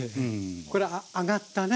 これ揚がったね